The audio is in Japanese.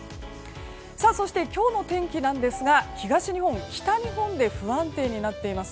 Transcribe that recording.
そして、今日の天気なんですが東日本、北日本で不安定になっています。